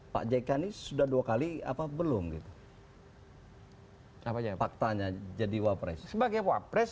pak jekani sudah dua kali apa belum gitu hai capanya faktanya jadi wapres sebagai wapres